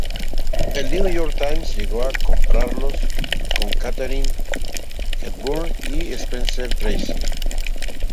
El "New York Times" llegó a compararlos con Katharine Hepburn y Spencer Tracy.